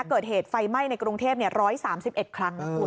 เกิดเหตุไฟไหม้ในกรุงเทพ๑๓๑ครั้งนะคุณ